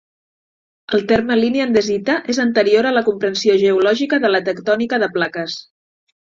El terme "línia andesita" és anterior a la comprensió geològica de la tectònica de plaques.